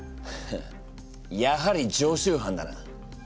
フッやはり常習犯だな。